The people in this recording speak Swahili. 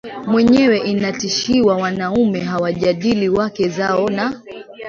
mwenyewe inatishiwa Wanaume hawajadili wake zao na